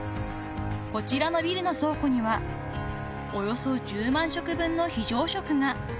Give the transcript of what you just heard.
［こちらのビルの倉庫にはおよそ１０万食分の非常食が］